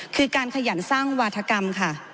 คือการขยันสร้างวาธกรรมค่ะ